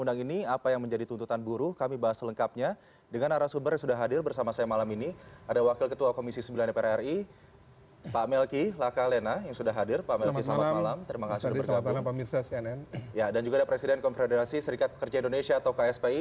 dan juga ada presiden konfederasi serikat pekerja indonesia atau kspi